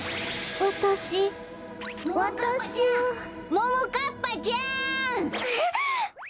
ももかっぱちゃん！はあ！